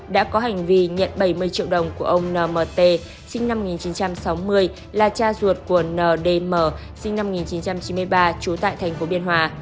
đã có hành vi nhận bảy mươi triệu đồng của ông nmt sinh năm một nghìn chín trăm sáu mươi là cha ruột của ndm sinh năm một nghìn chín trăm chín mươi ba trú tại thành phố biên hòa